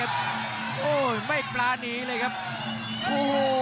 โอ้โหไม่ปลาหนีเลยครับโอ้โห